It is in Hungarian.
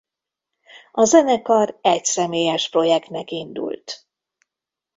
A zenekar egyszemélyes projektnek indult.